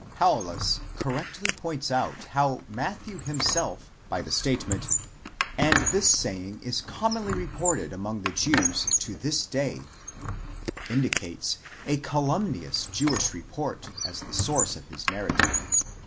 Paulus correctly points out how Matthew himself, by the statement: azd this saying is commonly reported among the Jews to this day,—indicates a cal umnious Jewish report as the source of his narrative.